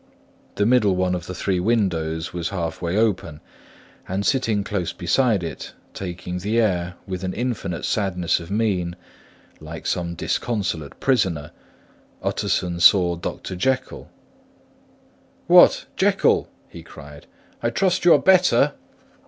The middle one of the three windows was half way open; and sitting close beside it, taking the air with an infinite sadness of mien, like some disconsolate prisoner, Utterson saw Dr. Jekyll. "What! Jekyll!" he cried. "I trust you are better."